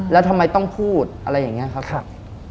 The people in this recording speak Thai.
แล้วทำไมต้องพูดอะไรอย่างนี้ครับ